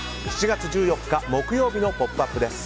７月１４日、木曜日の「ポップＵＰ！」です。